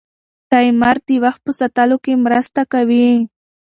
ټایمر د وخت په ساتلو کې مرسته کوي.